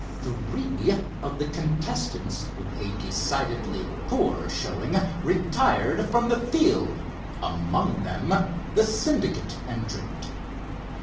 Three of the contestants with a decidedly poor showing retired from the field, among them the Syndicate entrant.